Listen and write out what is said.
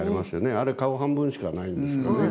あれ顔半分しかないんですよね。